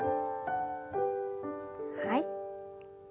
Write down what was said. はい。